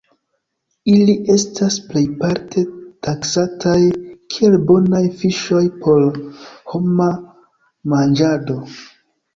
Ili estas plejparte taksataj kiel bonaj fiŝoj por homa manĝado.